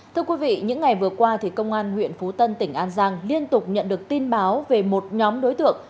thưa quý vị những ngày vừa qua công an huyện phú tân tỉnh an giang liên tục nhận được tin báo về một nhóm đối tượng